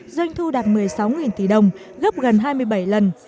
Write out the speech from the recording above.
doanh thu đạt một mươi sáu tỷ đồng gấp gần hai mươi bảy lần